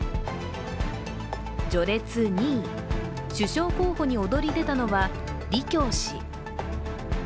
序列２位、首相候補に躍り出たのは李強氏。